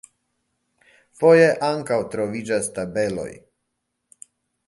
Foje ankaŭ troviĝas tabeloj.